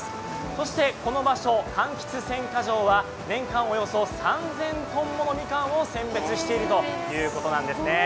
そしてこの場所、柑橘選果場は年間およそ３０００ｔものみかんを選別しているということなんです。